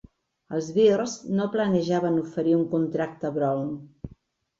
Els Bears no planejaven oferir un contracte a Brown.